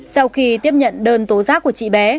sau khi tiếp nhận đơn tố giác của chị bé